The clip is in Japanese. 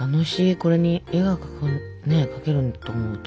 これに絵が描けると思うと。